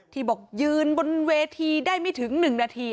ที่บอกยืนบนเวทีได้ไม่ถึง๑นาที